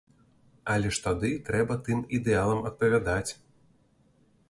Але ж тады трэба тым ідэалам адпавядаць.